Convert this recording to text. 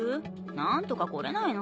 何とか来れないの？